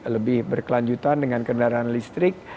lebih berkelanjutan dengan kendaraan listrik